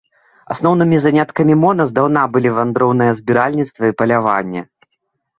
Асноўнымі заняткамі мона здаўна былі вандроўнае збіральніцтва і паляванне.